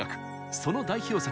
その代表作